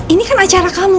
ini kan acara kamu